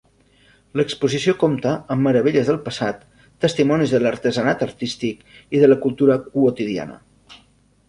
L'exposició compta amb meravelles del passat, testimonis de l'artesanat artístic i de la cultura quotidiana.